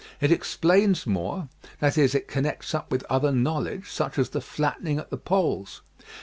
It explains more, that is, it connects up with other knowledge, such as the flattening at the poles.